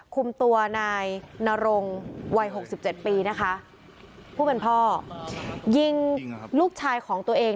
คุมตัวนายนรงวัยหกสิบเจ็ดปีนะคะผู้เป็นพ่อยิงลูกชายของตัวเอง